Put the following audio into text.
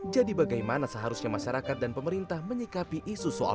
jadi bagaimana seharusnya masyarakat dan pemerintah menyikapi isu soal pki